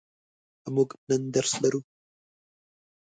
موږ نن درس لرو.